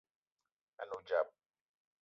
A ne odzap